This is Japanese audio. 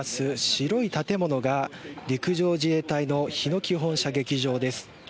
白い建物が陸上自衛隊の日野基本射撃場です。